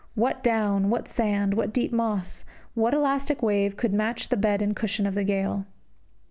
What down, what sand, what deep moss, what elastic wave could match the bed and cushion of the gale?